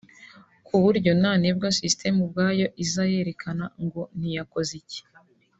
ku buryo nanebwa sisiteme ubwayo izaba yerekana ngo ntiyakoze iki